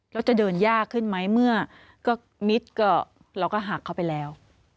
แล้วจะเดินยากขึ้นไหมเมื่อก็มิดก็เราก็หักเข้าไปแล้ว